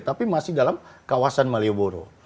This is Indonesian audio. tapi masih dalam kawasan malaya bumbung